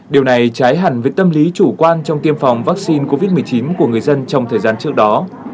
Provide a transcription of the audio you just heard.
điều này trái hẳn với tâm lý chủ quan trong tiêm phòng vaccine covid một mươi chín của người dân trong thời gian trước đó